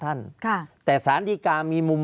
ภารกิจสรรค์ภารกิจสรรค์